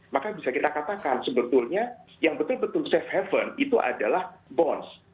maka bisa kita katakan sebetulnya yang betul betul safe haven itu adalah bonds